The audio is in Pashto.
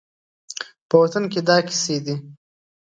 په وطن کې دا کیسې دي